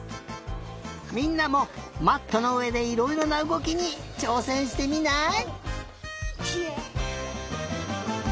みんなもまっとのうえでいろいろなうごきにちょうせんしてみない？